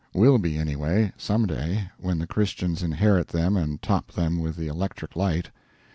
Will be, anyway, some day, when the Christians inherit them and top them with the electric light.